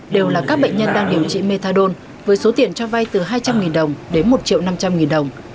đều là các bệnh nhân đang điều trị methadone với số tiền cho vai từ hai trăm linh đồng đến một triệu năm trăm linh nghìn đồng